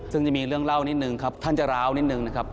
ซึ่งจะมีเรื่องเล่านิดนึงครับท่านจะร้าวนิดนึงนะครับ